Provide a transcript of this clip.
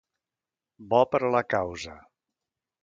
Bo per a la causa.